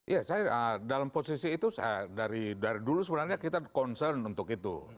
ya saya dalam posisi itu dari dulu sebenarnya kita concern untuk itu